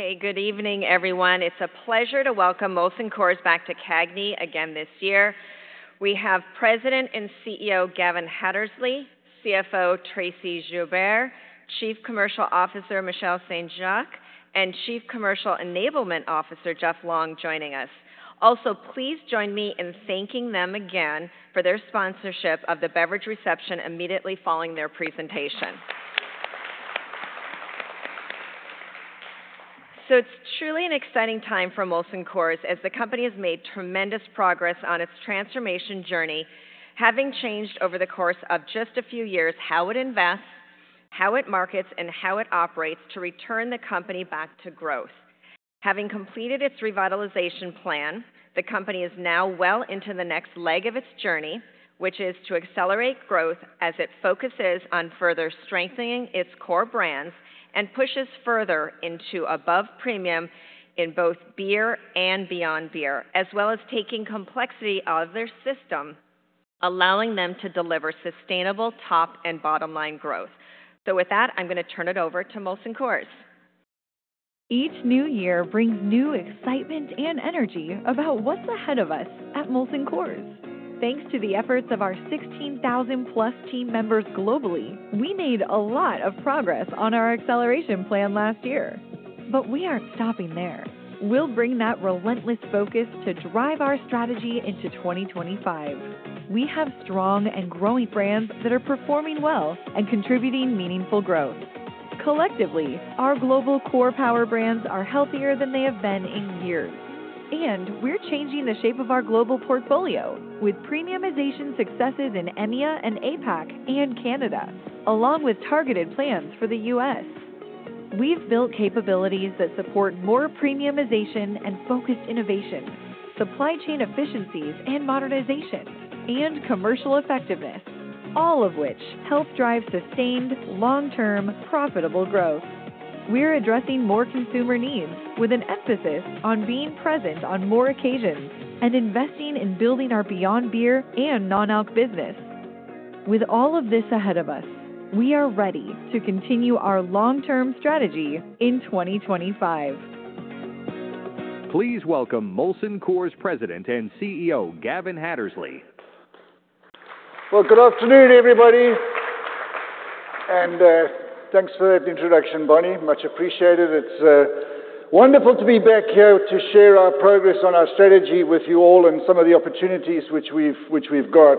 Okay, good evening, everyone. It's a pleasure to welcome Molson Coors back to CAGNY again this year. We have President and CEO Gavin Hattersley, CFO Tracey Joubert, Chief Commercial Officer Michelle St. Jacques, and Chief Commercial Enablement Officer Jeff Long joining us. Also, please join me in thanking them again for their sponsorship of the beverage reception immediately following their presentation. So it's truly an exciting time for Molson Coors, as the company has made tremendous progress on its transformation journey, having changed over the course of just a few years how it invests, how it markets, and how it operates to return the company back to growth. Having completed its revitalization plan, the company is now well into the next leg of its journey, which is to accelerate growth as it focuses on further strengthening its core brands and pushes further into above premium in both beer and beyond beer, as well as taking complexity out of their system, allowing them to deliver sustainable top and bottom line growth. So with that, I'm going to turn it over to Molson Coors. Each new year brings new excitement and energy about what's ahead of us at Molson Coors. Thanks to the efforts of our 16,000+ team members globally, we made a lot of progress on our acceleration plan last year, but we aren't stopping there. We'll bring that relentless focus to drive our strategy into 2025. We have strong and growing brands that are performing well and contributing meaningful growth. Collectively, our global core power brands are healthier than they have been in years, and we're changing the shape of our global portfolio with premiumization successes in EMEA and APAC and Canada, along with targeted plans for the U.S. We've built capabilities that support more premiumization and focused innovation, supply chain efficiencies and modernization, and commercial effectiveness, all of which help drive sustained, long-term, profitable growth. We're addressing more consumer needs with an emphasis on being present on more occasions and investing in building our beyond beer and non-alc business. With all of this ahead of us, we are ready to continue our long-term strategy in 2025. Please welcome Molson Coors President and CEO Gavin Hattersley. Good afternoon, everybody. Thanks for that introduction, Bonnie. Much appreciated. It's wonderful to be back here to share our progress on our strategy with you all and some of the opportunities which we've got.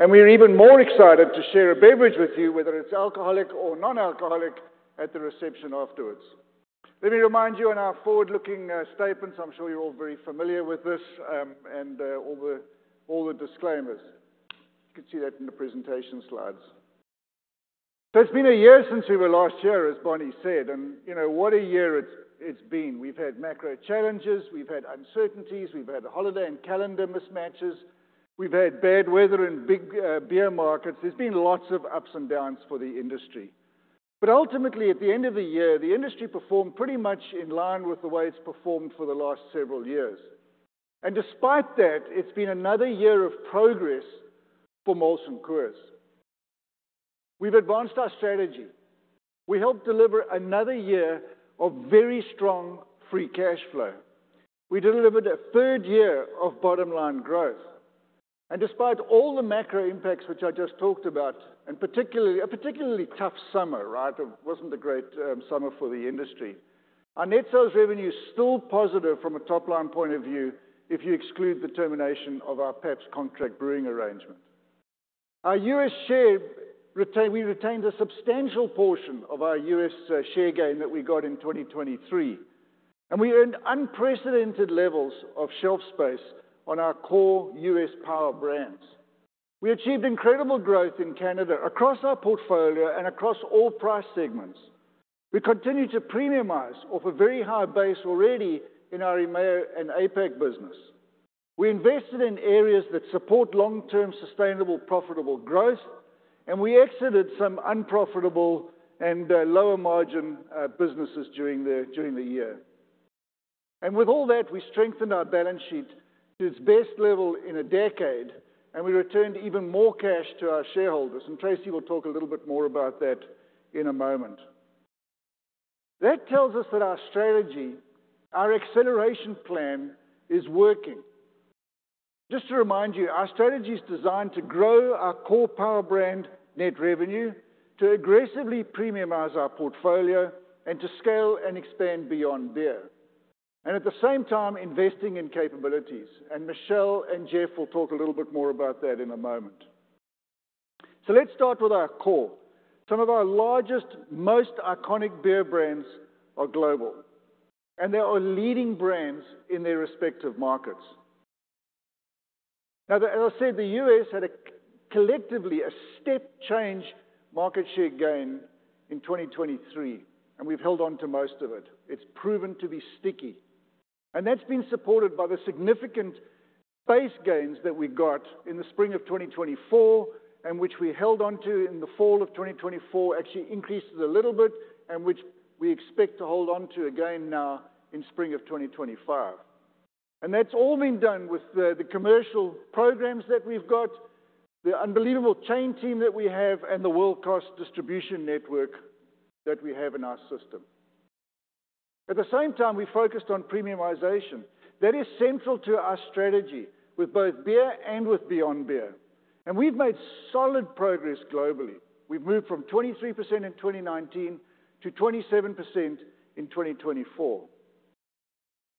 We're even more excited to share a beverage with you, whether it's alcoholic or non-alcoholic, at the reception afterwards. Let me remind you on our forward-looking statements. I'm sure you're all very familiar with this and all the disclaimers. You can see that in the presentation slides. It's been a year since we were last year, as Bonnie said. You know what a year it's been. We've had macro challenges. We've had uncertainties. We've had holiday and calendar mismatches. We've had bad weather and big beer markets. There's been lots of ups and downs for the industry. But ultimately, at the end of the year, the industry performed pretty much in line with the way it's performed for the last several years. And despite that, it's been another year of progress for Molson Coors. We've advanced our strategy. We helped deliver another year of very strong free cash flow. We delivered a third year of bottom line growth. And despite all the macro impacts which I just talked about, and particularly a tough summer, right? It wasn't a great summer for the industry. Our net sales revenue is still positive from a top line point of view if you exclude the termination of our Pabst contract brewing arrangement. Our U.S. share retained a substantial portion of our U.S. share gain that we got in 2023. And we earned unprecedented levels of shelf space on our core U.S. power brands. We achieved incredible growth in Canada across our portfolio and across all price segments. We continue to premiumize off a very high base already in our EMEA and APAC business. We invested in areas that support long-term sustainable profitable growth, and we exited some unprofitable and lower margin businesses during the year, and with all that, we strengthened our balance sheet to its best level in a decade, and we returned even more cash to our shareholders, and Tracey will talk a little bit more about that in a moment. That tells us that our strategy, our acceleration plan, is working. Just to remind you, our strategy is designed to grow our core power brand net revenue, to aggressively premiumize our portfolio, and to scale and expand beyond beer, and at the same time, investing in capabilities. And Michelle and Jeff will talk a little bit more about that in a moment. So let's start with our core. Some of our largest, most iconic beer brands are global, and they are leading brands in their respective markets. Now, as I said, the U.S. had collectively a steep change in market share gain in 2023, and we've held on to most of it. It's proven to be sticky. And that's been supported by the significant base gains that we got in the spring of 2024, and which we held on to in the fall of 2024, actually increased a little bit, and which we expect to hold on to again now in spring of 2025. And that's all been done with the commercial programs that we've got, the unbelievable chain team that we have, and the world-class distribution network that we have in our system. At the same time, we focused on premiumization. That is central to our strategy with both beer and with beyond beer. And we've made solid progress globally. We've moved from 23% in 2019 to 27% in 2024.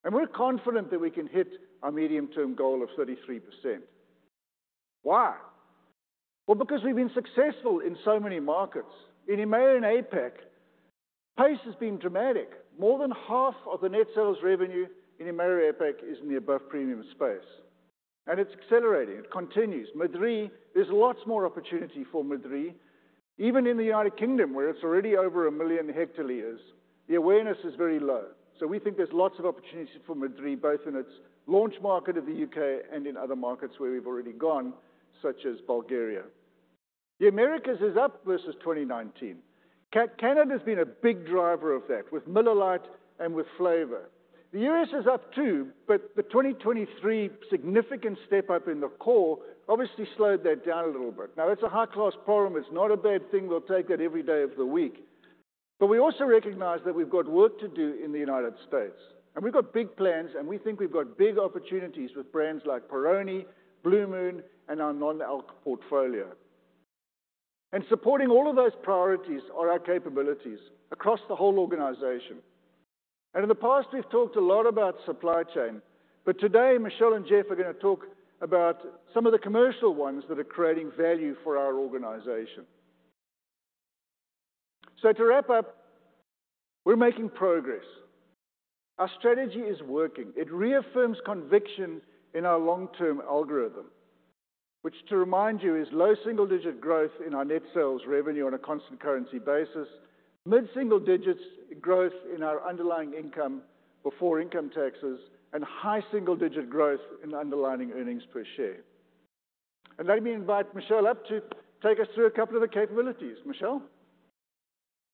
And we're confident that we can hit our medium-term goal of 33%. Why? Well, because we've been successful in so many markets. In EMEA and APAC, pace has been dramatic. More than half of the net sales revenue in EMEA and APAC is in the above premium space. And it's accelerating. It continues. Madrí, there's lots more opportunity for Madrí. Even in the United Kingdom, where it's already over a million hectoliters, the awareness is very low. So we think there's lots of opportunities for Madrí, both in its launch market of the UK and in other markets where we've already gone, such as Bulgaria. The Americas is up versus 2019. Canada has been a big driver of that with Miller Lite and with Flavor. The U.S. is up too, but the 2023 significant step up in the core obviously slowed that down a little bit. Now, that's a high-class problem. It's not a bad thing. We'll take that every day of the week, but we also recognize that we've got work to do in the United States, and we've got big plans, and we think we've got big opportunities with brands like Peroni, Blue Moon, and our non-alc portfolio, and supporting all of those priorities are our capabilities across the whole organization, and in the past, we've talked a lot about supply chain, but today, Michelle and Jeff are going to talk about some of the commercial ones that are creating value for our organization, so to wrap up, we're making progress. Our strategy is working. It reaffirms conviction in our long-term algorithm, which, to remind you, is low single-digit growth in our net sales revenue on a constant currency basis, mid-single-digit growth in our underlying income before income taxes, and high single-digit growth in underlying earnings per share. And let me invite Michelle up to take us through a couple of the capabilities. Michelle?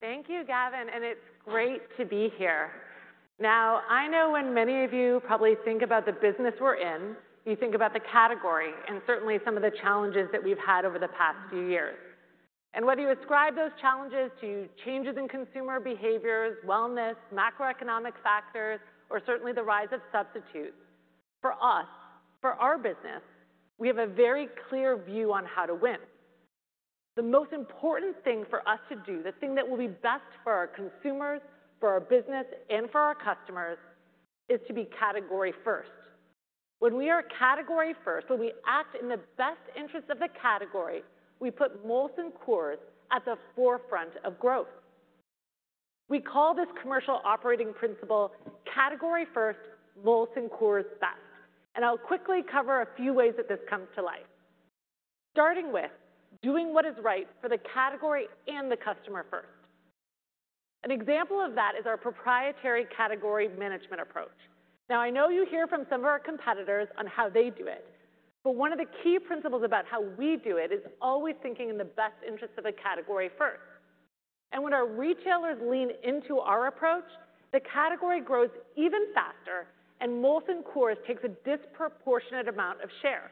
Thank you, Gavin. And it's great to be here. Now, I know when many of you probably think about the business we're in, you think about the category and certainly some of the challenges that we've had over the past few years. And whether you ascribe those challenges to changes in consumer behaviors, wellness, macroeconomic factors, or certainly the rise of substitutes, for us, for our business, we have a very clear view on how to win. The most important thing for us to do, the thing that will be best for our consumers, for our business, and for our customers, is to be Category First. When we are Category First, when we act in the best interests of the category, we put Molson Coors at the forefront of growth. We call this commercial operating principle Category First, Molson Coors Best. I'll quickly cover a few ways that this comes to life, starting with doing what is right for the category and the customer first. An example of that is our proprietary category management approach. Now, I know you hear from some of our competitors on how they do it, but one of the key principles about how we do it is always thinking in the best interests of the category first. And when our retailers lean into our approach, the category grows even faster, and Molson Coors takes a disproportionate amount of share.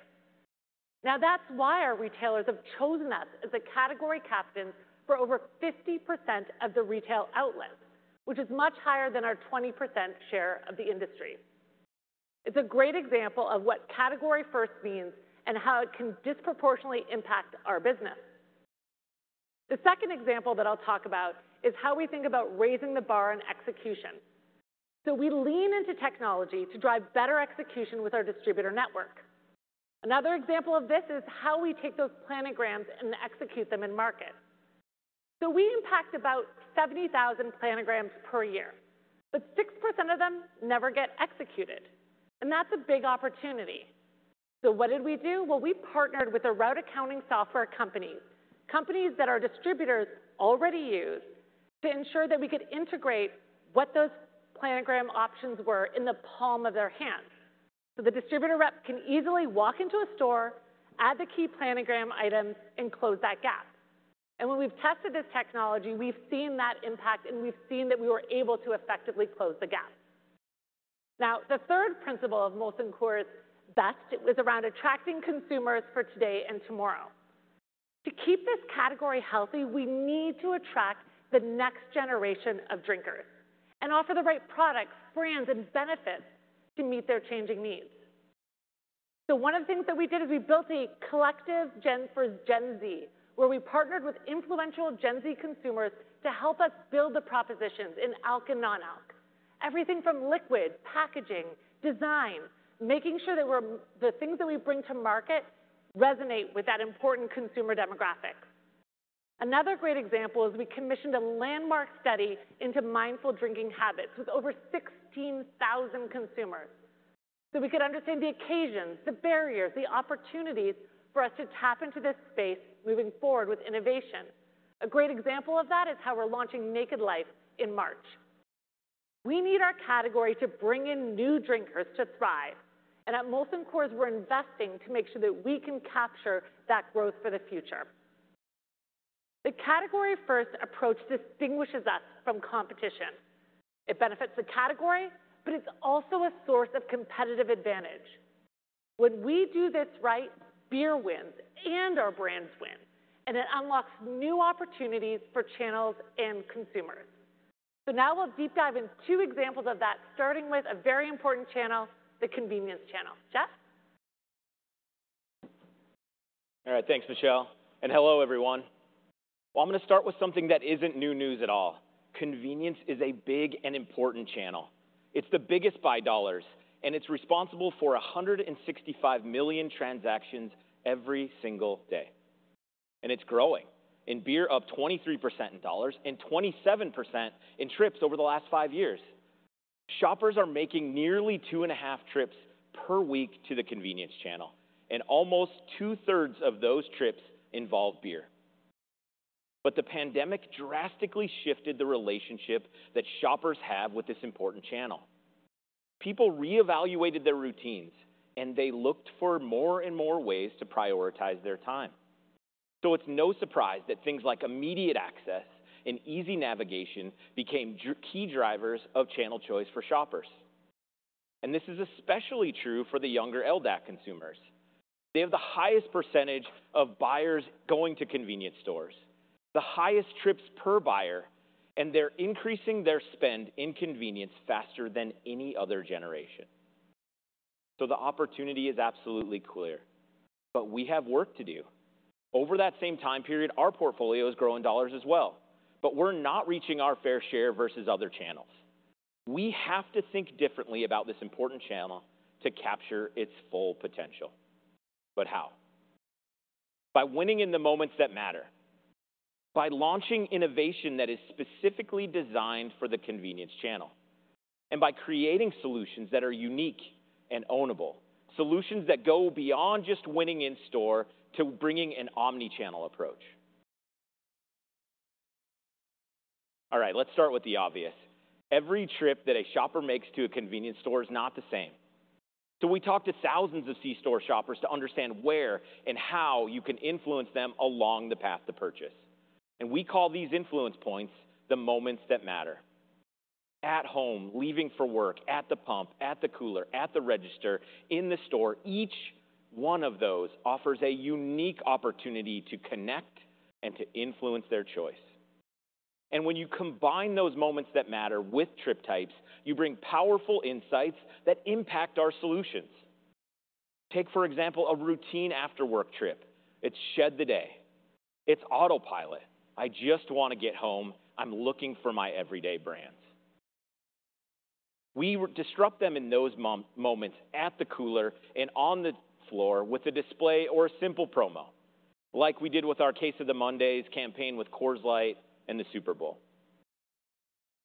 Now, that's why our retailers have chosen us as the category captains for over 50% of the retail outlet, which is much higher than our 20% share of the industry. It's a great example of what category first means and how it can disproportionately impact our business. The second example that I'll talk about is how we think about raising the bar on execution. So we lean into technology to drive better execution with our distributor network. Another example of this is how we take those planograms and execute them in market. So we impact about 70,000 planograms per year, but 6% of them never get executed. And that's a big opportunity. So what did we do? Well, we partnered with a route accounting software company, companies that our distributors already use, to ensure that we could integrate what those planogram options were in the palm of their hands. So the distributor rep can easily walk into a store, add the key planogram items, and close that gap. And when we've tested this technology, we've seen that impact, and we've seen that we were able to effectively close the gap. Now, the third principle of Molson Coors Best was around attracting consumers for today and tomorrow. To keep this category healthy, we need to attract the next generation of drinkers and offer the right products, brands, and benefits to meet their changing needs. So one of the things that we did is we built a collective Gen Z, where we partnered with influential Gen Z consumers to help us build the propositions in alc and non-alc. Everything from liquid, packaging, design, making sure that the things that we bring to market resonate with that important consumer demographic. Another great example is we commissioned a landmark study into mindful drinking habits with over 16,000 consumers. So we could understand the occasions, the barriers, the opportunities for us to tap into this space moving forward with innovation. A great example of that is how we're launching Naked Life in March. We need our category to bring in new drinkers to thrive, and at Molson Coors, we're investing to make sure that we can capture that growth for the future. The category first approach distinguishes us from competition. It benefits the category, but it's also a source of competitive advantage. When we do this right, beer wins and our brands win, and it unlocks new opportunities for channels and consumers, so now we'll deep dive into two examples of that, starting with a very important channel, the convenience channel. Jeff? All right. Thanks, Michelle, and hello, everyone, well, I'm going to start with something that isn't new news at all. Convenience is a big and important channel. It's the biggest by dollars, and it's responsible for 165 million transactions every single day, and it's growing in beer up 23% in dollars and 27% in trips over the last five years. Shoppers are making nearly two and a half trips per week to the convenience channel, and almost two-thirds of those trips involve beer, but the pandemic drastically shifted the relationship that shoppers have with this important channel. People reevaluated their routines, and they looked for more and more ways to prioritize their time, so it's no surprise that things like immediate access and easy navigation became key drivers of channel choice for shoppers, and this is especially true for the younger LDA consumers. They have the highest percentage of buyers going to convenience stores, the highest trips per buyer, and they're increasing their spend in convenience faster than any other generation. So the opportunity is absolutely clear, but we have work to do. Over that same time period, our portfolio has grown in dollars as well, but we're not reaching our fair share versus other channels. We have to think differently about this important channel to capture its full potential. But how? By winning in the moments that matter, by launching innovation that is specifically designed for the convenience channel, and by creating solutions that are unique and ownable, solutions that go beyond just winning in store to bringing an omnichannel approach. All right, let's start with the obvious. Every trip that a shopper makes to a convenience store is not the same. So we talk to thousands of C-store shoppers to understand where and how you can influence them along the path to purchase. And we call these influence points the moments that matter. At home, leaving for work, at the pump, at the cooler, at the register, in the store, each one of those offers a unique opportunity to connect and to influence their choice. And when you combine those moments that matter with trip types, you bring powerful insights that impact our solutions. Take, for example, a routine after-work trip. It's shed the day. It's autopilot. I just want to get home. I'm looking for my everyday brands. We disrupt them in those moments at the cooler and on the floor with a display or a simple promo, like we did with our Case of the Mondays campaign with Coors Light and the Super Bowl.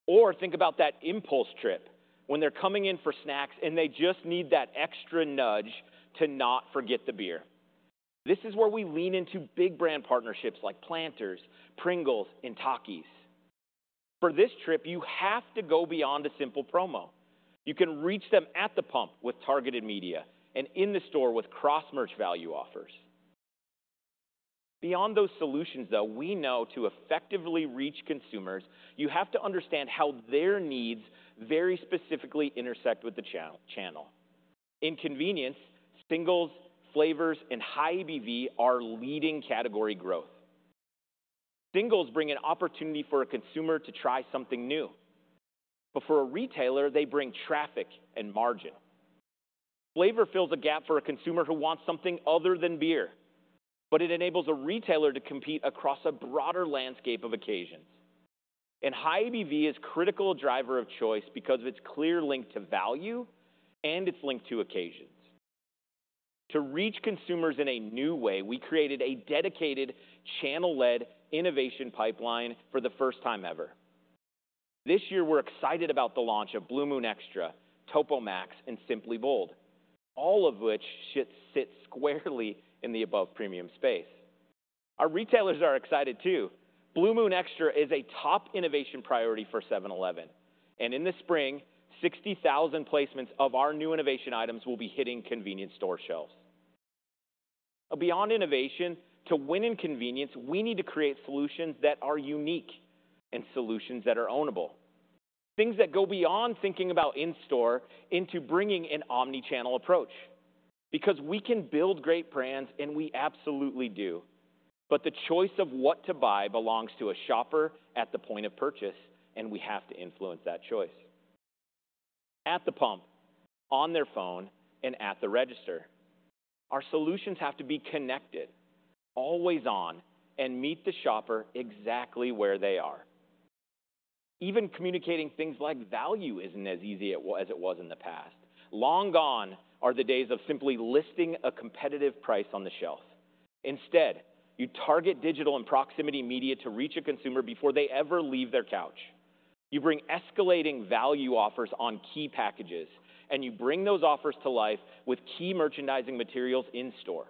Or think about that impulse trip when they're coming in for snacks and they just need that extra nudge to not forget the beer. This is where we lean into big brand partnerships like Planters, Pringles, and Takis. For this trip, you have to go beyond a simple promo. You can reach them at the pump with targeted media and in the store with cross-merch value offers. Beyond those solutions, though, we know to effectively reach consumers, you have to understand how their needs very specifically intersect with the channel. In convenience, singles, flavors, and high ABV are leading category growth. Singles bring an opportunity for a consumer to try something new. But for a retailer, they bring traffic and margin. Flavor fills a gap for a consumer who wants something other than beer, but it enables a retailer to compete across a broader landscape of occasions. And high ABV is a critical driver of choice because of its clear link to value and its link to occasions. To reach consumers in a new way, we created a dedicated channel-led innovation pipeline for the first time ever. This year, we're excited about the launch of Blue Moon Extra, Topo Chico and Simply Bold, all of which sit squarely in the above premium space. Our retailers are excited too. Blue Moon Extra is a top innovation priority for 7-Eleven. And in the spring, 60,000 placements of our new innovation items will be hitting convenience store shelves. Beyond innovation, to win in convenience, we need to create solutions that are unique and solutions that are ownable, things that go beyond thinking about in-store into bringing an omnichannel approach. Because we can build great brands, and we absolutely do. But the choice of what to buy belongs to a shopper at the point of purchase, and we have to influence that choice. At the pump, on their phone, and at the register. Our solutions have to be connected, always on, and meet the shopper exactly where they are. Even communicating things like value isn't as easy as it was in the past. Long gone are the days of simply listing a competitive price on the shelf. Instead, you target digital and proximity media to reach a consumer before they ever leave their couch. You bring escalating value offers on key packages, and you bring those offers to life with key merchandising materials in store.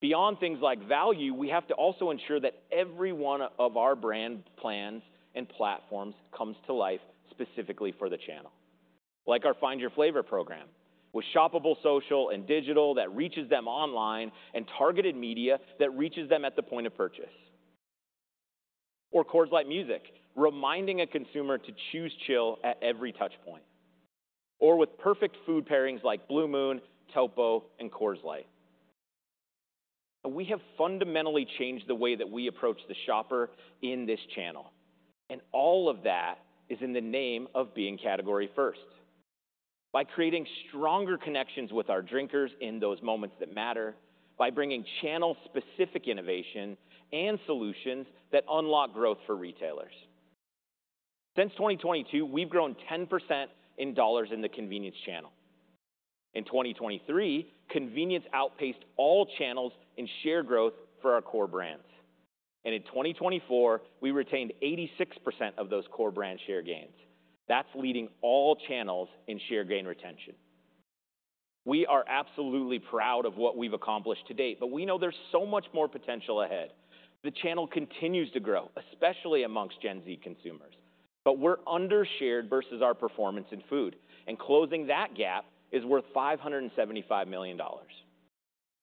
Beyond things like value, we have to also ensure that every one of our brand plans and platforms comes to life specifically for the channel, like our Find Your Flavor program with shoppable social and digital that reaches them online and targeted media that reaches them at the point of purchase, or Coors Light Music, reminding a consumer to choose chill at every touchpoint, or with perfect food pairings like Blue Moon, Topo, and Coors Light. We have fundamentally changed the way that we approach the shopper in this channel, and all of that is in the name of being category first, by creating stronger connections with our drinkers in those moments that matter, by bringing channel-specific innovation and solutions that unlock growth for retailers. Since 2022, we've grown 10% in dollars in the convenience channel. In 2023, convenience outpaced all channels in share growth for our core brands. And in 2024, we retained 86% of those core brand share gains. That's leading all channels in share gain retention. We are absolutely proud of what we've accomplished to date, but we know there's so much more potential ahead. The channel continues to grow, especially among Gen Z consumers. But we're undershared versus our performance in food, and closing that gap is worth $575 million.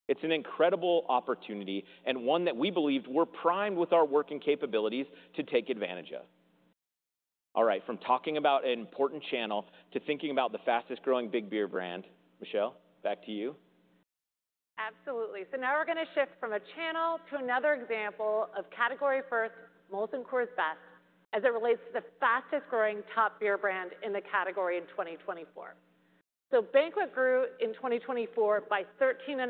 It's an incredible opportunity and one that we believe we're primed with our working capabilities to take advantage of. All right, from talking about an important channel to thinking about the fastest-growing big beer brand. Michelle, back to you. Absolutely. So now we're going to shift from a channel to another example of category first, Molson Coors Best, as it relates to the fastest-growing top beer brand in the category in 2024. So Banquet grew in 2024 by 13.5%.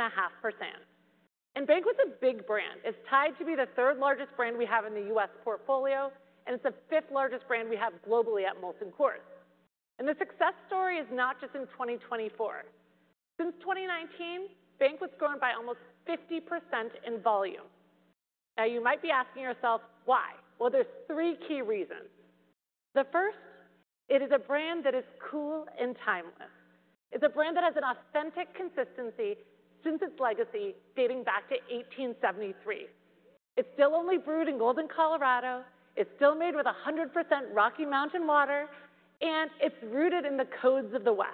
And Banquet's a big brand. It's tied to be the third largest brand we have in the U.S. portfolio, and it's the fifth largest brand we have globally at Molson Coors. And the success story is not just in 2024. Since 2019, Banquet's grown by almost 50% in volume. Now, you might be asking yourself, why? Well, there's three key reasons. The first, it is a brand that is cool and timeless. It's a brand that has an authentic consistency since its legacy dating back to 1873. It's still only brewed in Golden, Colorado. It's still made with 100% Rocky Mountain water, and it's rooted in the codes of the West.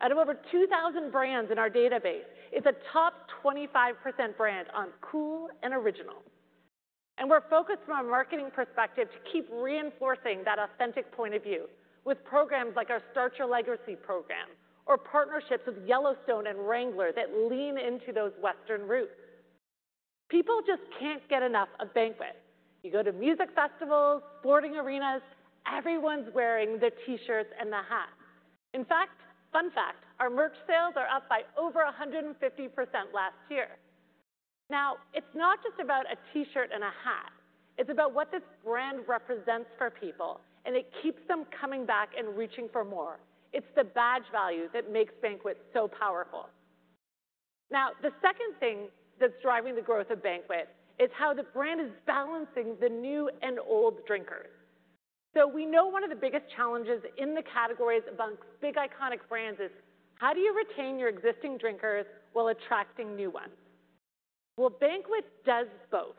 Out of over 2,000 brands in our database, it's a top 25% brand on cool and original, and we're focused from a marketing perspective to keep reinforcing that authentic point of view with programs like our Start Your Legacy Program or partnerships with Yellowstone and Wrangler that lean into those Western roots. People just can't get enough of Banquet. You go to music festivals, sporting arenas, everyone's wearing the T-shirts and the hats. In fact, fun fact, our merch sales are up by over 150% last year. Now, it's not just about a T-shirt and a hat. It's about what this brand represents for people, and it keeps them coming back and reaching for more. It's the badge value that makes Banquet so powerful. Now, the second thing that's driving the growth of Banquet is how the brand is balancing the new and old drinkers. So we know one of the biggest challenges in the categories among big iconic brands is how do you retain your existing drinkers while attracting new ones? Well, Banquet does both.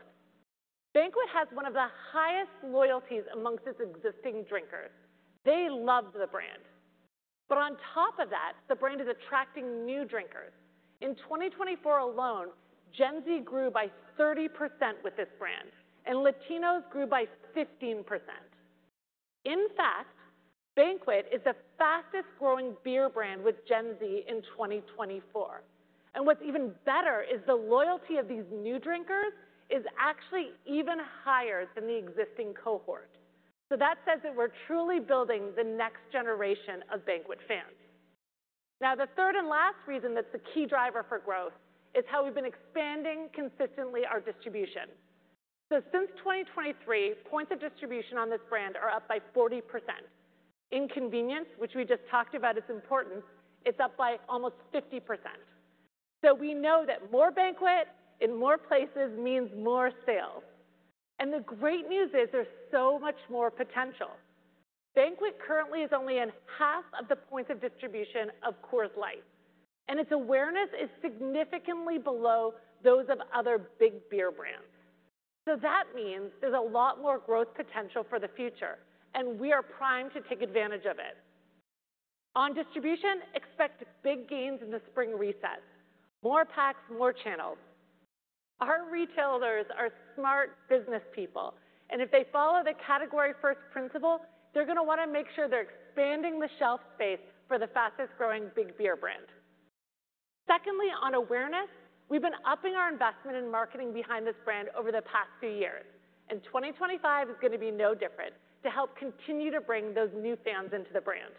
Banquet has one of the highest loyalties among its existing drinkers. They love the brand. But on top of that, the brand is attracting new drinkers. In 2024 alone, Gen Z grew by 30% with this brand, and Latinos grew by 15%. In fact, Banquet is the fastest-growing beer brand with Gen Z in 2024. And what's even better is the loyalty of these new drinkers is actually even higher than the existing cohort. So that says that we're truly building the next generation of Banquet fans. Now, the third and last reason that's the key driver for growth is how we've been expanding consistently our distribution. So since 2023, points of distribution on this brand are up by 40%. In convenience, which we just talked about its importance, it's up by almost 50%. So we know that more Banquet in more places means more sales. And the great news is there's so much more potential. Banquet currently is only in half of the points of distribution of Coors Light, and its awareness is significantly below those of other big beer brands. So that means there's a lot more growth potential for the future, and we are primed to take advantage of it. On distribution, expect big gains in the spring reset, more packs, more channels. Our retailers are smart business people, and if they follow the category first principle, they're going to want to make sure they're expanding the shelf space for the fastest-growing big beer brand. Secondly, on awareness, we've been upping our investment in marketing behind this brand over the past few years, and 2025 is going to be no different to help continue to bring those new fans into the brand.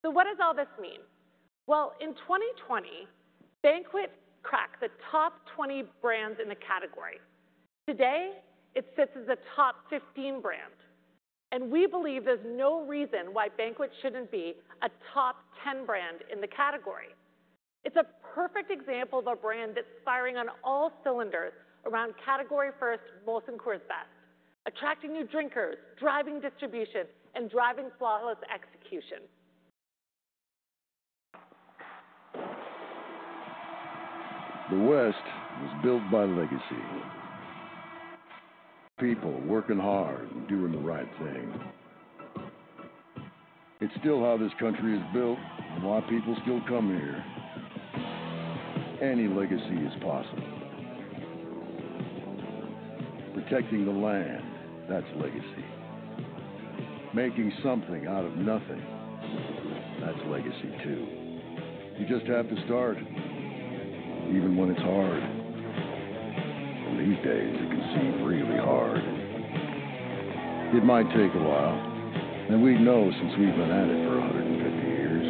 So what does all this mean? Well, in 2020, Banquet cracked the top 20 brands in the category. Today, it sits as a top 15 brand, and we believe there's no reason why Banquet shouldn't be a top 10 brand in the category. It's a perfect example of a brand that's firing on all cylinders around category first, Molson Coors Best, attracting new drinkers, driving distribution, and driving flawless execution. The West was built by legacy. People working hard and doing the right thing. It's still how this country is built and why people still come here. Any legacy is possible. Protecting the land, that's legacy. Making something out of nothing, that's legacy too. You just have to start, even when it's hard. And these days, it can seem really hard. It might take a while, and we know since we've been at it for 150 years,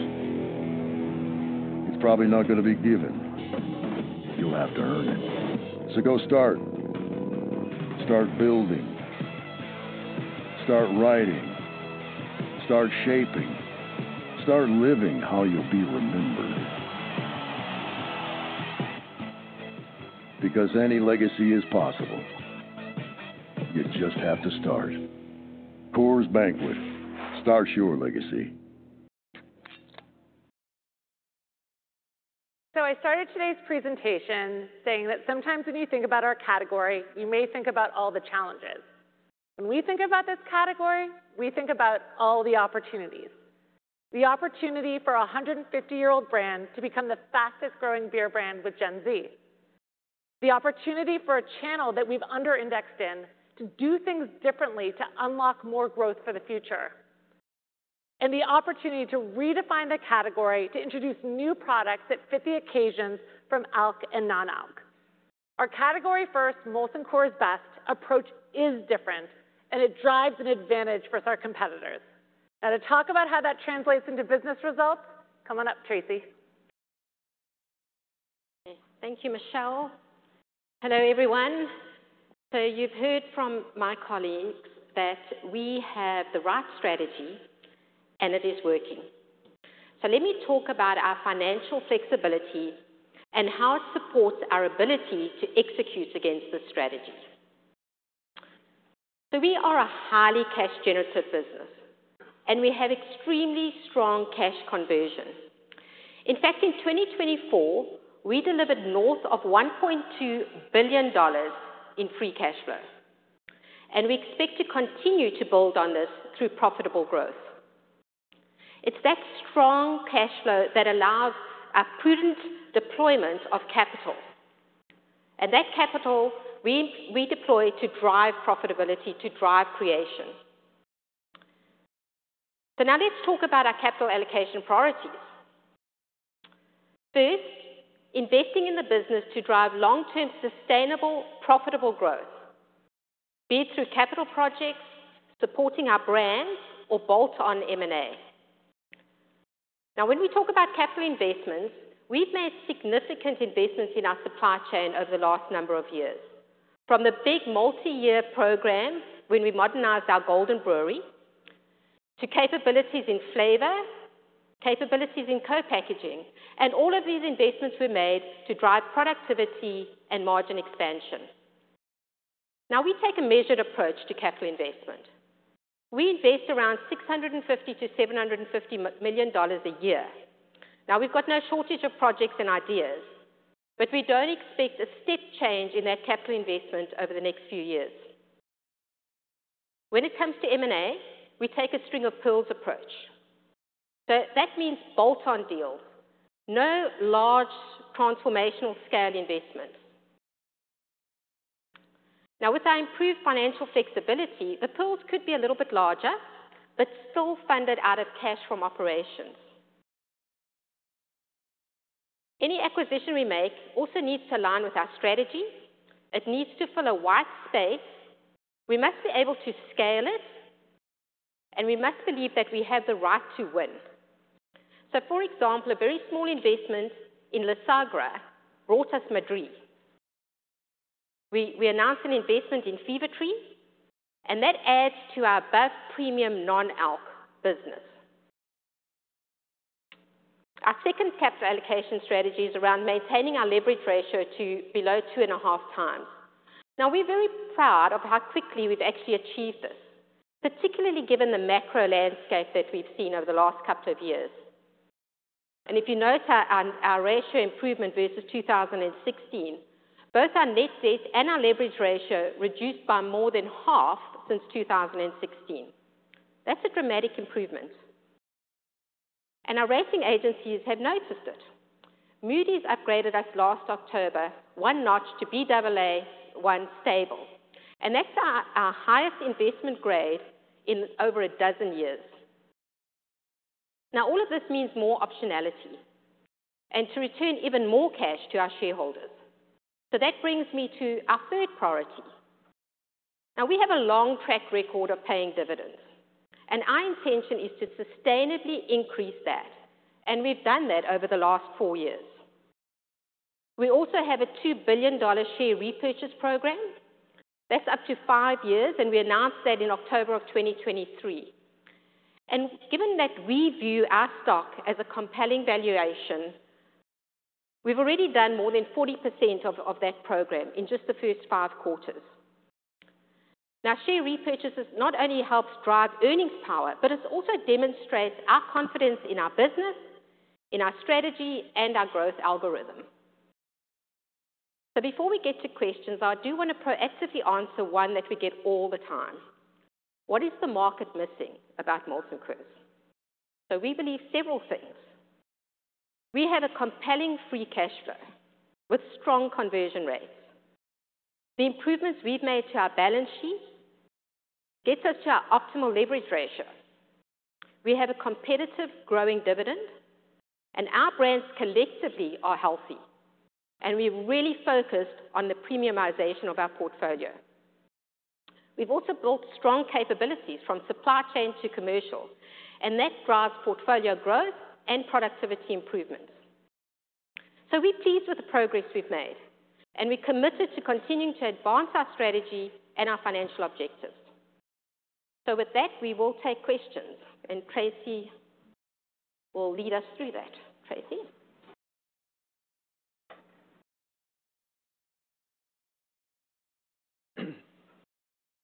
it's probably not going to be given. You'll have to earn it. So go start. Start building. Start writing. Start shaping. Start living how you'll be remembered. Because any legacy is possible. You just have to start. Coors Banquet, start your legacy. So I started today's presentation saying that sometimes when you think about our category, you may think about all the challenges. When we think about this category, we think about all the opportunities. The opportunity for a 150-year-old brand to become the fastest-growing beer brand with Gen Z. The opportunity for a channel that we've under-indexed in to do things differently to unlock more growth for the future. And the opportunity to redefine the category to introduce new products that fit the occasions from ALC and non-ALC. Our category first, Molson Coors Best, approach is different, and it drives an advantage for our competitors. Now, to talk about how that translates into business results, come on up, Tracey. Thank you, Michelle. Hello, everyone. So you've heard from my colleagues that we have the right strategy, and it is working. So let me talk about our financial flexibility and how it supports our ability to execute against the strategy. So we are a highly cash-generative business, and we have extremely strong cash conversion. In fact, in 2024, we delivered north of $1.2 billion in Free Cash Flow, and we expect to continue to build on this through profitable growth. It's that strong cash flow that allows a prudent deployment of capital. And that capital we deploy to drive profitability, to drive creation. So now let's talk about our capital allocation priorities. First, investing in the business to drive long-term sustainable, profitable growth, be it through capital projects, supporting our brands, or bolt-on M&A. Now, when we talk about capital investments, we've made significant investments in our supply chain over the last number of years, from the big multi-year program when we modernized our Golden Brewery to capabilities in flavor, capabilities in co-packaging, and all of these investments were made to drive productivity and margin expansion. Now, we take a measured approach to capital investment. We invest around $650-$750 million a year. Now, we've got no shortage of projects and ideas, but we don't expect a step change in that capital investment over the next few years. When it comes to M&A, we take a string-of-pearls approach, so that means bolt-on deals, no large transformational scale investments. Now, with our improved financial flexibility, the pearls could be a little bit larger, but still funded out of cash from operations. Any acquisition we make also needs to align with our strategy. It needs to fill a white space. We must be able to scale it, and we must believe that we have the right to win. So, for example, a very small investment in La Sagra brought us Madrí. We announced an investment in Fever-Tree, and that adds to our above-premium non-alc business. Our second capital allocation strategy is around maintaining our leverage ratio to below two and a half times. Now, we're very proud of how quickly we've actually achieved this, particularly given the macro landscape that we've seen over the last couple of years. And if you note our ratio improvement versus 2016, both our net debt and our leverage ratio reduced by more than half since 2016. That's a dramatic improvement, and our rating agencies have noticed it. Moody's upgraded us last October one notch to Baa1 stable. And that's our highest investment grade in over a dozen years. Now, all of this means more optionality and to return even more cash to our shareholders. So that brings me to our third priority. Now, we have a long track record of paying dividends, and our intention is to sustainably increase that, and we've done that over the last four years. We also have a $2 billion share repurchase program. That's up to five years, and we announced that in October of 2023. And given that we view our stock as a compelling valuation, we've already done more than 40% of that program in just the first five quarters. Now, share repurchases not only helps drive earnings power, but it also demonstrates our confidence in our business, in our strategy, and our growth algorithm. So before we get to questions, I do want to proactively answer one that we get all the time. What is the market missing about Molson Coors? So we believe several things. We have a compelling free cash flow with strong conversion rates. The improvements we've made to our balance sheet get us to our optimal leverage ratio. We have a competitive growing dividend, and our brands collectively are healthy, and we've really focused on the premiumization of our portfolio. We've also built strong capabilities from supply chain to commercial, and that drives portfolio growth and productivity improvements. So we're pleased with the progress we've made, and we're committed to continuing to advance our strategy and our financial objectives. So with that, we will take questions, and Tracey will lead us through that. Tracey?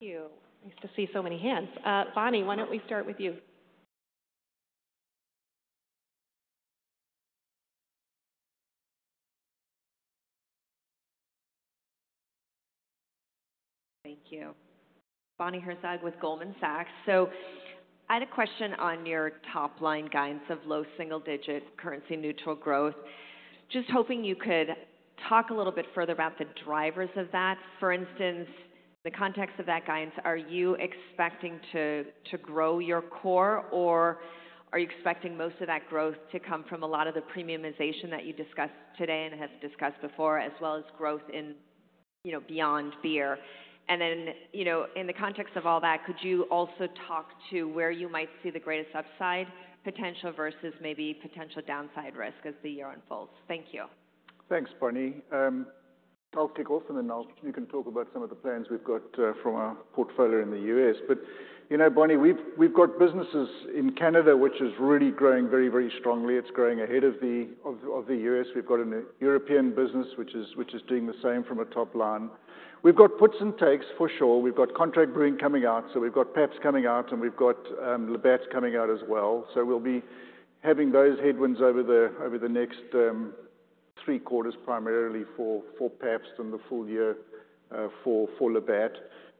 Thank you. Nice to see so many hands. Bonnie, why don't we start with you? Thank you. Bonnie Herzog with Goldman Sachs. So I had a question on your top-line guidance of low single-digit currency neutral growth. Just hoping you could talk a little bit further about the drivers of that. For instance, in the context of that guidance, are you expecting to grow your core, or are you expecting most of that growth to come from a lot of the premiumization that you discussed today and have discussed before, as well as growth in beyond beer? And then in the context of all that, could you also talk to where you might see the greatest upside potential versus maybe potential downside risk as the year unfolds? Thank you. Thanks, Bonnie. I'll kick off, and then you can talk about some of the plans we've got from our portfolio in the U.S. But Bonnie, we've got businesses in Canada, which is really growing very, very strongly. It's growing ahead of the U.S. We've got a European business, which is doing the same from a top line. We've got puts and takes for sure. We've got contract brewing coming out. So we've got PEPS coming out, and we've got Labatt coming out as well. So we'll be having those headwinds over the next three quarters, primarily for PEPS and the full year for Labatt.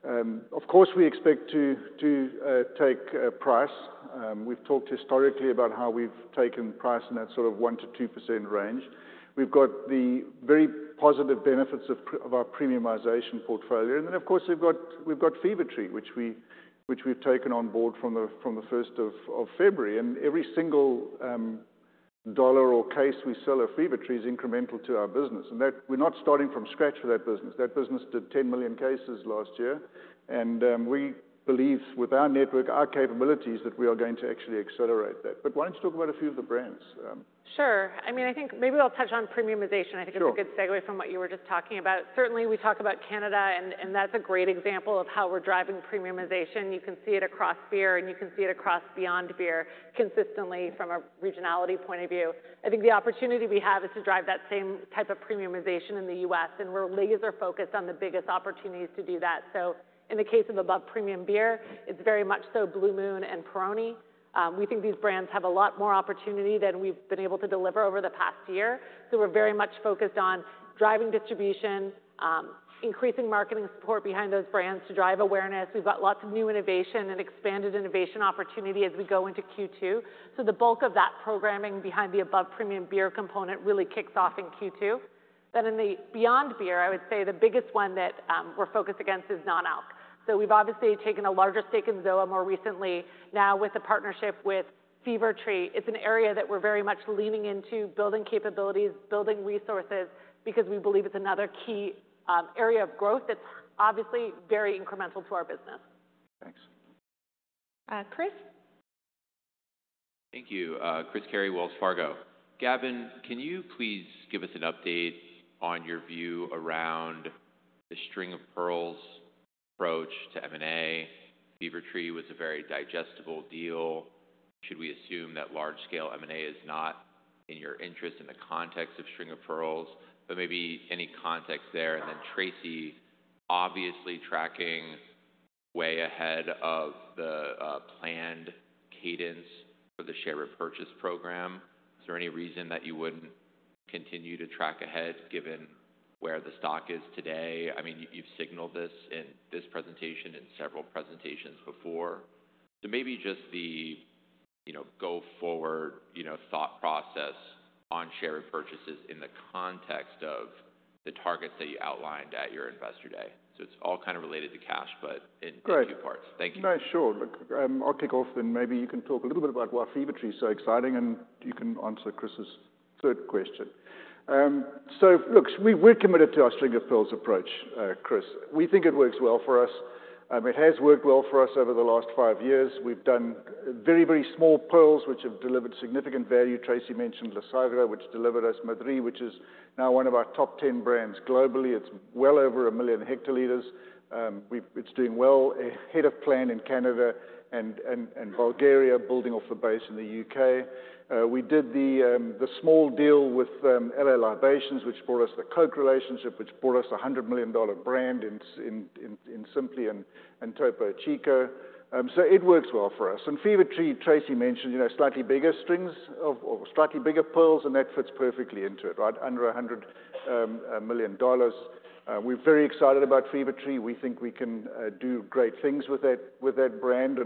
Of course, we expect to take price. We've talked historically about how we've taken price in that sort of 1%-2% range. We've got the very positive benefits of our premiumization portfolio. Then, of course, we've got Fever-Tree, which we've taken on board from the 1st of February. Every single dollar or case we sell of Fever-Tree is incremental to our business. We're not starting from scratch for that business. That business did 10 million cases last year. We believe with our network, our capabilities, that we are going to actually accelerate that. Why don't you talk about a few of the brands? Sure. I mean, I think maybe I'll touch on premiumization. I think it's a good segue from what you were just talking about. Certainly, we talk about Canada, and that's a great example of how we're driving premiumization. You can see it across beer, and you can see it across beyond beer consistently from a regionality point of view. I think the opportunity we have is to drive that same type of premiumization in the U.S., and we're laser-focused on the biggest opportunities to do that. So in the case of above-premium beer, it's very much so Blue Moon and Peroni. We think these brands have a lot more opportunity than we've been able to deliver over the past year. So we're very much focused on driving distribution, increasing marketing support behind those brands to drive awareness. We've got lots of new innovation and expanded innovation opportunity as we go into Q2. So the bulk of that programming behind the above-premium beer component really kicks off in Q2. Then in the beyond beer, I would say the biggest one that we're focused against is non-ALC. So we've obviously taken a larger stake in ZOA more recently. Now, with the partnership with Fever-Tree, it's an area that we're very much leaning into, building capabilities, building resources, because we believe it's another key area of growth that's obviously very incremental to our business. Thanks. Chris? Thank you. Chris Carey, Wells Fargo. Gavin, can you please give us an update on your view around the String of Pearls approach to M&A? Fever-Tree was a very digestible deal. Should we assume that large-scale M&A is not in your interest in the context of String of Pearls, but maybe any context there? And then Tracey, obviously tracking way ahead of the planned cadence for the share repurchase program. Is there any reason that you wouldn't continue to track ahead given where the stock is today? I mean, you've signaled this in this presentation and several presentations before. So maybe just the go-forward thought process on share repurchases in the context of the targets that you outlined at your investor day. So it's all kind of related to cash, but in two parts. Thank you. No, sure. I'll kick off, and maybe you can talk a little bit about why Fever-Tree is so exciting, and you can answer Chris's third question. Look, we're committed to our String of Pearls approach, Chris. We think it works well for us. It has worked well for us over the last five years. We've done very, very small pearls, which have delivered significant value. Tracey mentioned La Sagra, which delivered us Madrí, which is now one of our top 10 brands globally. It's well over a million hectoliters. It's doing well ahead of plan in Canada and Bulgaria, building off the base in the UK. We did the small deal with L.A. Libations, which brought us the Coke relationship, which brought us a $100 million brand in Simply and Topo Chico. So it works well for us. And Fever-Tree, Tracey mentioned, slightly bigger strings or slightly bigger pearls, and that fits perfectly into it, right? Under $100 million. We're very excited about Fever-Tree. We think we can do great things with that brand.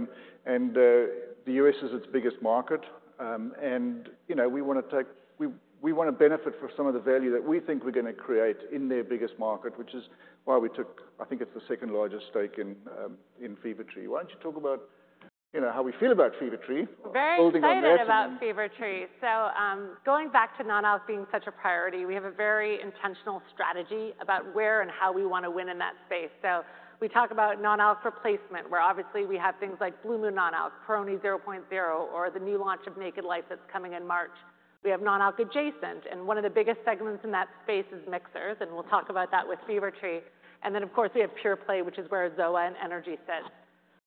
And the U.S. is its biggest market. And we want to benefit from some of the value that we think we're going to create in their biggest market, which is why we took, I think it's the second largest stake in Fever-Tree. Why don't you talk about how we feel about Fever-Tree? Very excited about Fever-Tree. So going back to non-ALC being such a priority, we have a very intentional strategy about where and how we want to win in that space. So we talk about non-ALC replacement, where obviously we have things like Blue Moon non-ALC, Peroni 0.0, or the new launch of Naked Life that's coming in March. We have non-ALC adjacent, and one of the biggest segments in that space is mixers, and we'll talk about that with Fever-Tree. And then, of course, we have Pure Play, which is where ZOA and Energy sit.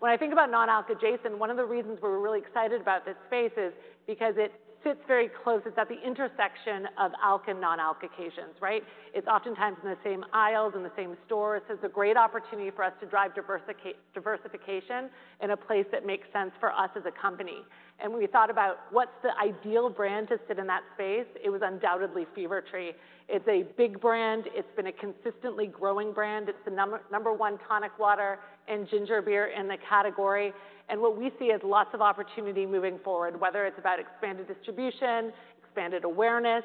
When I think about non-ALC adjacent, one of the reasons we're really excited about this space is because it sits very close. It's at the intersection of ALC and non-ALC occasions, right? It's oftentimes in the same aisles, in the same stores. It's a great opportunity for us to drive diversification in a place that makes sense for us as a company. And when we thought about what's the ideal brand to sit in that space, it was undoubtedly Fever-Tree. It's a big brand. It's been a consistently growing brand. It's the number one tonic water and ginger beer in the category. And what we see is lots of opportunity moving forward, whether it's about expanded distribution, expanded awareness,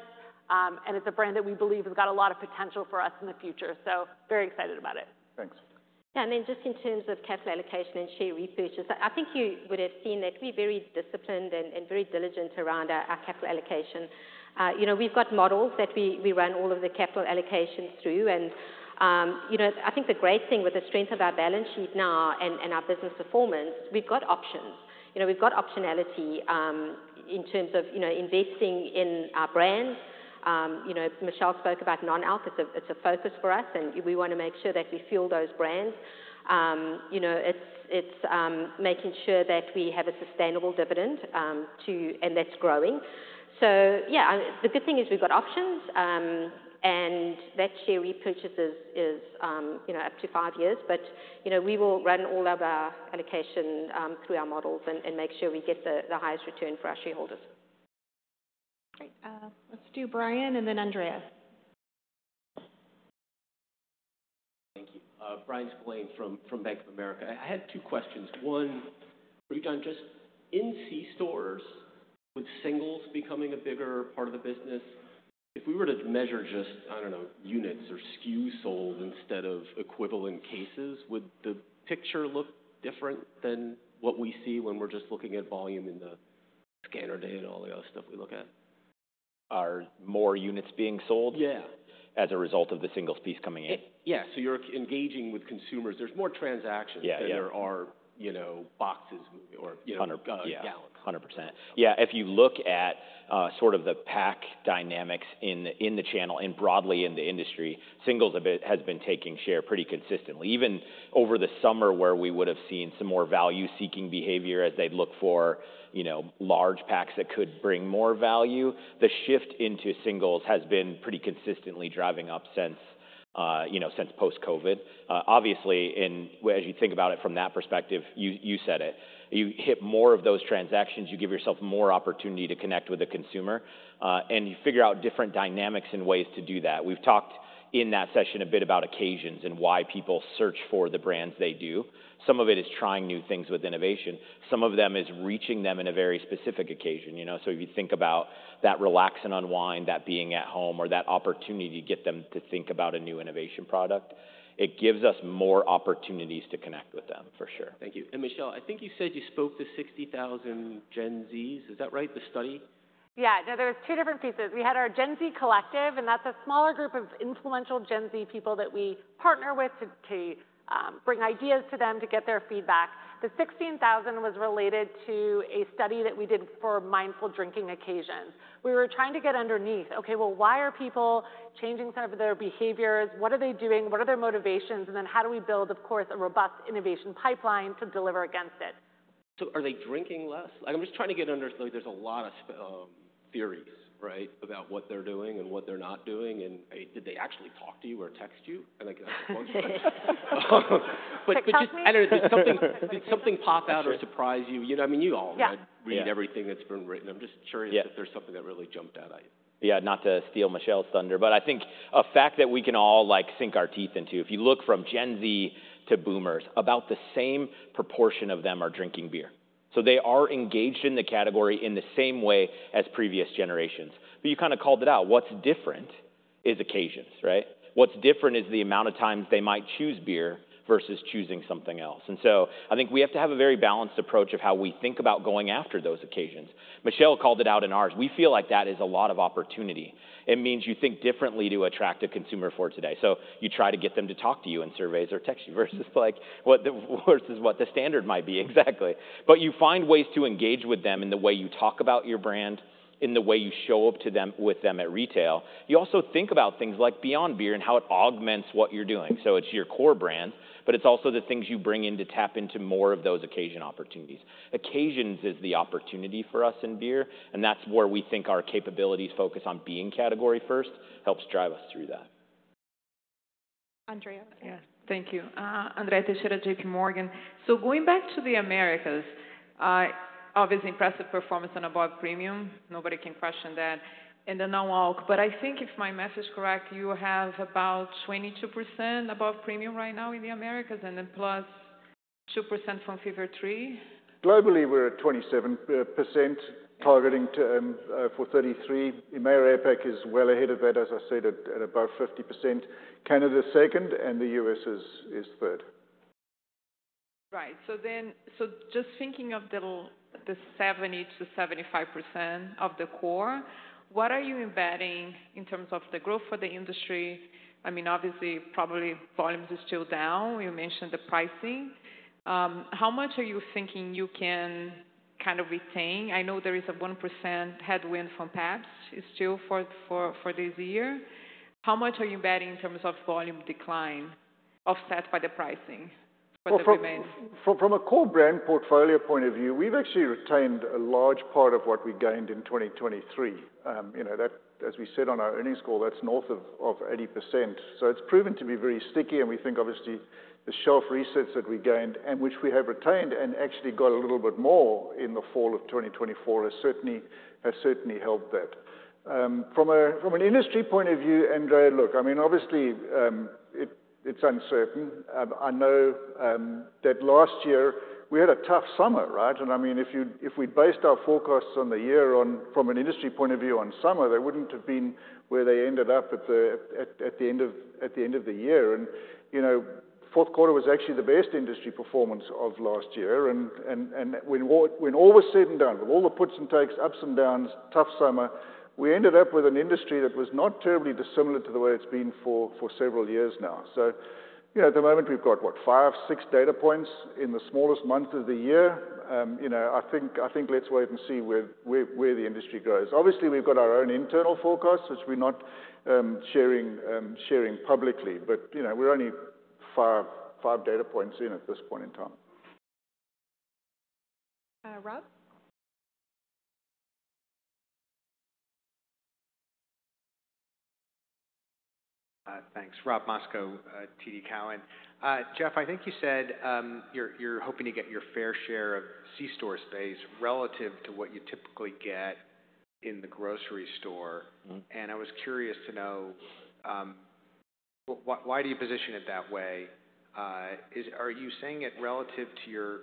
and it's a brand that we believe has got a lot of potential for us in the future. So very excited about it. Thanks. Yeah, I mean, just in terms of capital allocation and share repurchase, I think you would have seen that we're very disciplined and very diligent around our capital allocation. We've got models that we run all of the capital allocation through. And I think the great thing with the strength of our balance sheet now and our business performance, we've got options. We've got optionality in terms of investing in our brands. Michelle spoke about non-alc. It's a focus for us, and we want to make sure that we fuel those brands. It's making sure that we have a sustainable dividend, and that's growing. So yeah, the good thing is we've got options, and that share repurchase is up to five years. But we will run all of our allocation through our models and make sure we get the highest return for our shareholders. Great. Let's do Bryan and then Andrea. Thank you. Bryan Spillane from Bank of America. I had two questions. One, are you done just in C-stores with singles becoming a bigger part of the business? If we were to measure just, I don't know, units or SKUs sold instead of equivalent cases, would the picture look different than what we see when we're just looking at volume in the scanner data and all the other stuff we look at? Are more units being sold? Yeah. As a result of the singles piece coming in? Yeah, so you're engaging with consumers. There's more transactions than there are boxes or gallons. 100%. Yeah. If you look at sort of the pack dynamics in the channel and broadly in the industry, singles have been taking share pretty consistently. Even over the summer, where we would have seen some more value-seeking behavior as they'd look for large packs that could bring more value, the shift into singles has been pretty consistently driving up since post-COVID. Obviously, as you think about it from that perspective, you said it. You hit more of those transactions, you give yourself more opportunity to connect with the consumer, and you figure out different dynamics and ways to do that. We've talked in that session a bit about occasions and why people search for the brands they do. Some of it is trying new things with innovation. Some of them is reaching them in a very specific occasion. So if you think about that relax and unwind, that being at home, or that opportunity to get them to think about a new innovation product, it gives us more opportunities to connect with them, for sure. Thank you. And Michelle, I think you said you spoke to 60,000 Gen Zs. Is that right, the study? Yeah. No, there were two different pieces. We had our Gen Z collective, and that's a smaller group of influential Gen Z people that we partner with to bring ideas to them to get their feedback. The 16,000 was related to a study that we did for mindful drinking occasions. We were trying to get underneath, okay, well, why are people changing some of their behaviors? What are they doing? What are their motivations? And then how do we build, of course, a robust innovation pipeline to deliver against it? So are they drinking less? I'm just trying to get understood. There's a lot of theories, right, about what they're doing and what they're not doing. And did they actually talk to you or text you? But I don't know if did something pop out or surprise you. I mean, you all read everything that's been written. I'm just curious if there's something that really jumped out at you. Yeah, not to steal Michelle's thunder, but I think a fact that we can all sink our teeth into, if you look from Gen Z to boomers, about the same proportion of them are drinking beer. So they are engaged in the category in the same way as previous generations. But you kind of called it out. What's different is occasions, right? What's different is the amount of times they might choose beer versus choosing something else. And so I think we have to have a very balanced approach of how we think about going after those occasions. Michelle called it out in ours. We feel like that is a lot of opportunity. It means you think differently to attract a consumer for today. So you try to get them to talk to you in surveys or text you versus what the standard might be exactly. but you find ways to engage with them in the way you talk about your brand, in the way you show up with them at retail. You also think about things like beyond beer and how it augments what you're doing. So it's your core brand, but it's also the things you bring in to tap into more of those occasion opportunities. Occasions is the opportunity for us in beer, and that's where we think our capabilities focus on being category first helps drive us through that. Andrea. Yeah. Thank you. Andrea Teixeira, J.P. Morgan. So going back to the Americas, obviously impressive performance on above premium. Nobody can question that. And then non-ALC. But I think if my math is correct, you have about 22% above premium right now in the Americas and then +2% from Fever-Tree. Globally, we're at 27%, targeting for 33%. EMEA, APAC is well ahead of that, as I said, at about 50%. Canada's second, and the U.S. is third. Right. So just thinking of the 70%-75% of the core, what are you embedding in terms of the growth for the industry? I mean, obviously, probably volumes are still down. You mentioned the pricing. How much are you thinking you can kind of retain? I know there is a 1% headwind from PEPS still for this year. How much are you betting in terms of volume decline offset by the pricing for the remaining? From a core brand portfolio point of view, we've actually retained a large part of what we gained in 2023. As we said on our earnings call, that's north of 80%. So it's proven to be very sticky, and we think, obviously, the shelf resets that we gained, and which we have retained and actually got a little bit more in the fall of 2024, has certainly helped that. From an industry point of view, Andrea, look, I mean, obviously, it's uncertain. I know that last year we had a tough summer, right? And I mean, if we'd based our forecasts on the year from an industry point of view on summer, they wouldn't have been where they ended up at the end of the year. And fourth quarter was actually the best industry performance of last year. And when all was said and done, with all the puts and takes, ups and downs, tough summer, we ended up with an industry that was not terribly dissimilar to the way it's been for several years now. So at the moment, we've got, what, five, six data points in the smallest month of the year. I think let's wait and see where the industry goes. Obviously, we've got our own internal forecasts, which we're not sharing publicly, but we're only five data points in at this point in time. Rob? Thanks. Rob Moskow, TD Cowen. Jeff, I think you said you're hoping to get your fair share of C-store space relative to what you typically get in the grocery store. And I was curious to know, why do you position it that way? Are you saying it relative to your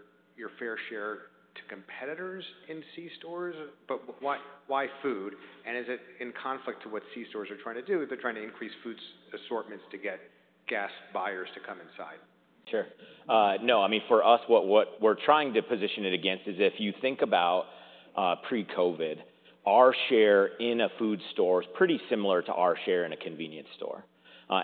fair share to competitors in C-stores? But why food? And is it in conflict to what C-stores are trying to do? They're trying to increase food assortments to get gas buyers to come inside. Sure. No, I mean, for us, what we're trying to position it against is if you think about pre-COVID, our share in a food store is pretty similar to our share in a convenience store.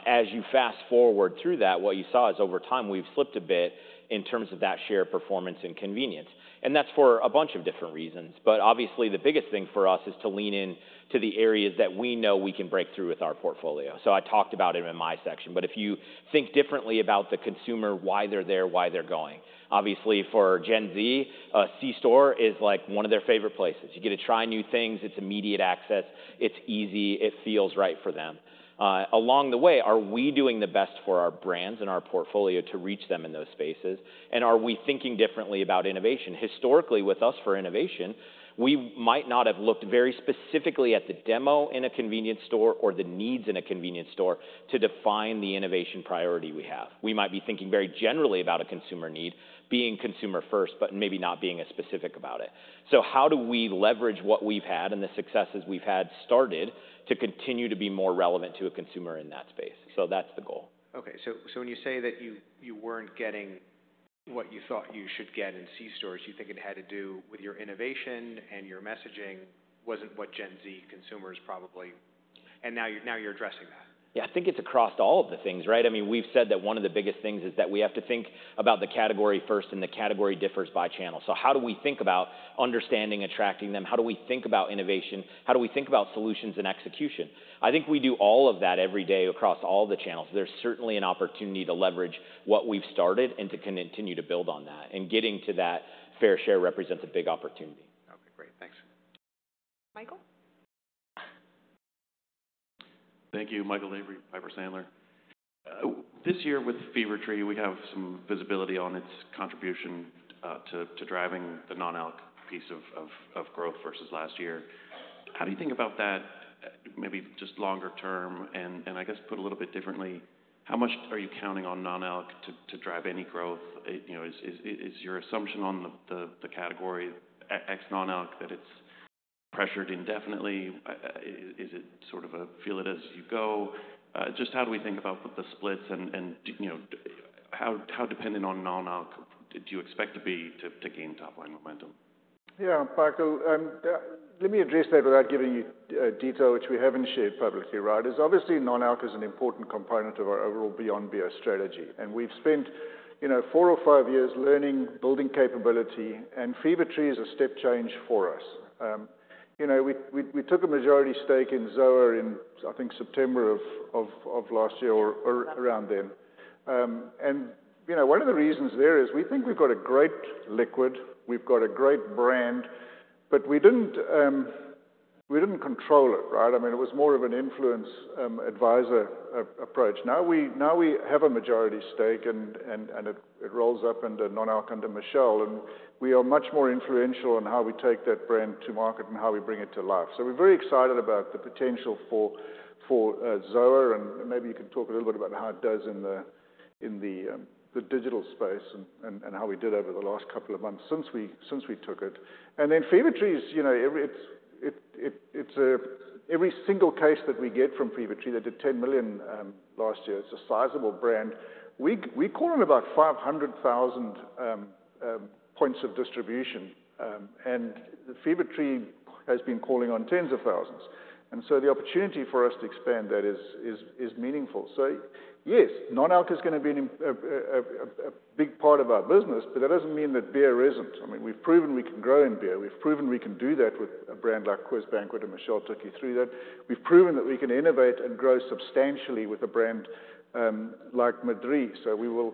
As you fast forward through that, what you saw is over time, we've slipped a bit in terms of that share performance in convenience. And that's for a bunch of different reasons. But obviously, the biggest thing for us is to lean into the areas that we know we can break through with our portfolio. So I talked about it in my section. But if you think differently about the consumer, why they're there, why they're going. Obviously, for Gen Z, a C-store is like one of their favorite places. You get to try new things. It's immediate access. It's easy. It feels right for them. Along the way, are we doing the best for our brands and our portfolio to reach them in those spaces? And are we thinking differently about innovation? Historically, with us for innovation, we might not have looked very specifically at the demo in a convenience store or the needs in a convenience store to define the innovation priority we have. We might be thinking very generally about a consumer need being consumer first, but maybe not being as specific about it. So how do we leverage what we've had and the successes we've had started to continue to be more relevant to a consumer in that space? So that's the goal. Okay. So when you say that you weren't getting what you thought you should get in C-stores, you think it had to do with your innovation and your messaging wasn't what Gen Z consumers probably, and now you're addressing that. Yeah, I think it's across all of the things, right? I mean, we've said that one of the biggest things is that we have to think about the category first, and the category differs by channel. So how do we think about understanding, attracting them? How do we think about innovation? How do we think about solutions and execution? I think we do all of that every day across all the channels. There's certainly an opportunity to leverage what we've started and to continue to build on that. And getting to that fair share represents a big opportunity. Okay. Great. Thanks. Michael? Thank you. Michael Lavery, Piper Sandler. This year with Fever-Tree, we have some visibility on its contribution to driving the non-alc piece of growth versus last year. How do you think about that maybe just longer term? I guess put a little bit differently, how much are you counting on non-alc to drive any growth? Is your assumption on the category ex non-alc that it's pressured indefinitely? Is it sort of a feel it as you go? Just how do we think about the splits and how dependent on non-alc do you expect to be to gain top-line momentum? Yeah, Michael, let me address that without giving you detail, which we haven't shared publicly, right? Obviously, non-alc is an important component of our overall Beyond Beer strategy. And we've spent four or five years learning, building capability, and Fever-Tree is a step change for us. We took a majority stake in ZOA in, I think, September of last year or around then. And one of the reasons there is we think we've got a great liquid. We've got a great brand, but we didn't control it, right? I mean, it was more of an influence advisor approach. Now we have a majority stake, and it rolls up into non-alc and to Michelle. And we are much more influential on how we take that brand to market and how we bring it to life. So we're very excited about the potential for ZOA. And maybe you can talk a little bit about how it does in the digital space and how we did over the last couple of months since we took it. And then Fever-Tree, it's every single case that we get from Fever-Tree that did 10 million last year. It's a sizable brand. We call in about 500,000 points of distribution. And Fever-Tree has been calling on tens of thousands. And so the opportunity for us to expand that is meaningful. So yes, non-alc is going to be a big part of our business, but that doesn't mean that beer isn't. I mean, we've proven we can grow in beer. We've proven we can do that with a brand like Coors Banquet and Michelle took you through that. We've proven that we can innovate and grow substantially with a brand like Madrí. So we will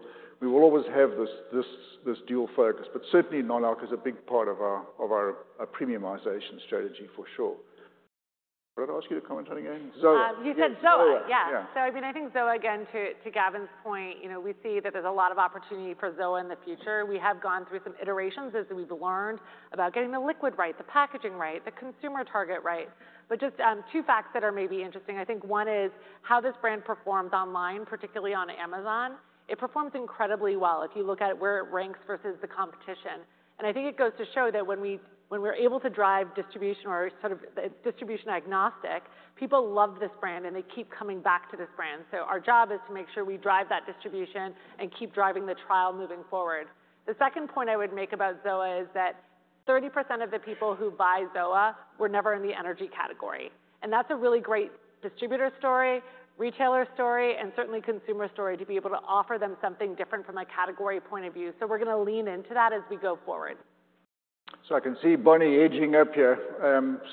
always have this dual focus. But certainly, non-alc is a big part of our premiumization strategy for sure. Did I ask you to comment on it again? You said ZOA. Yeah. So I mean, I think ZOA again, to Gavin's point, we see that there's a lot of opportunity for ZOA in the future. We have gone through some iterations as we've learned about getting the liquid right, the packaging right, the consumer target right. But just two facts that are maybe interesting. I think one is how this brand performs online, particularly on Amazon. It performs incredibly well if you look at where it ranks versus the competition. And I think it goes to show that when we're able to drive distribution or sort of distribution agnostic, people love this brand, and they keep coming back to this brand. So our job is to make sure we drive that distribution and keep driving the trial moving forward. The second point I would make about ZOA is that 30% of the people who buy ZOA were never in the energy category, and that's a really great distributor story, retailer story, and certainly consumer story to be able to offer them something different from a category point of view, so we're going to lean into that as we go forward. I can see Bonnie engaging up here.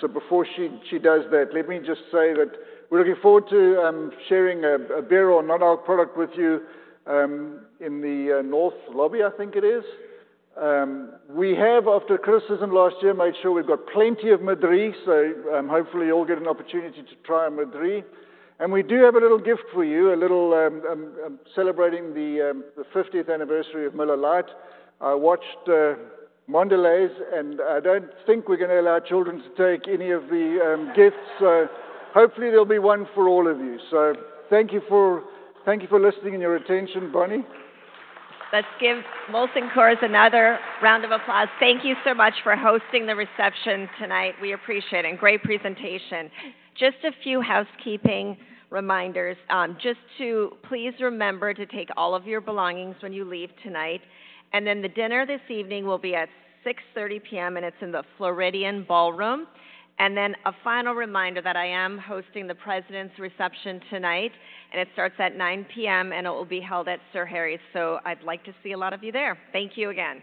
Before she does that, let me just say that we're looking forward to sharing a beer or non-alc product with you in the north lobby, I think it is. We have, after criticism last year, made sure we've got plenty of Madrí. Hopefully, you'll get an opportunity to try a Madrí. We do have a little gift for you, a little celebrating the 50th anniversary of Miller Lite. I watched Mondelez, and I don't think we're going to allow children to take any of the gifts. Hopefully, there'll be one for all of you. Thank you for listening and your attention, Bonnie. Let's give Molson Coors another round of applause. Thank you so much for hosting the reception tonight. We appreciate it. And great presentation. Just a few housekeeping reminders. Just to please remember to take all of your belongings when you leave tonight. And then the dinner this evening will be at 6:30 P.M., and it's in the Floridian Ballroom. And then a final reminder that I am hosting the President's Reception tonight, and it starts at 9:00 P.M., and it will be held at Sir Harry's. So I'd like to see a lot of you there. Thank you again.